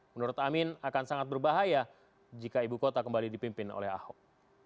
menurut amin akan sangat berbahaya jika ibu kota kembali dipimpin oleh ahok